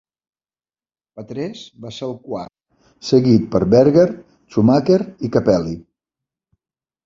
Patrese va ser el quart, seguit per Berger, Schumacher i Capelli.